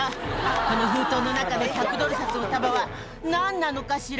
この封筒の中の１００ドル札の束はなんなのかしら？